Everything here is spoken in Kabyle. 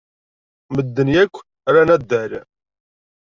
Medden akk ran addal.